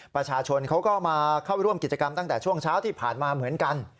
ประชาชนเขาก็มาเข้าร่วมกิจกรรมตั้งแต่ช่วงเช้าที่ผ่านมาเหมือนกัน